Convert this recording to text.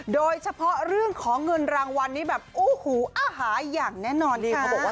โดยเฉพาะเรื่องของเงินรางวัลนี้แบบอู้หูอาหารอย่างแน่นอนค่ะ